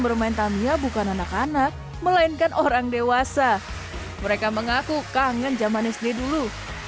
bermain tamiya bukan anak anak melainkan orang dewasa mereka mengaku kangen zaman ini dulu